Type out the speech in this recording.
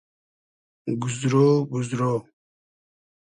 گوزرۉ گوزرۉ